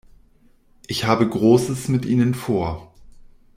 Ich habe Großes mit Ihnen vor.